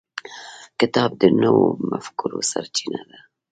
کتاب د نوو مفکورو سرچینه ده.